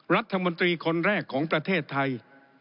รัฐมนตรีคนแรกของประเทศไทย